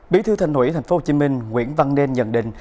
bí thư thành ủy tp hcm nguyễn văn nên nhận định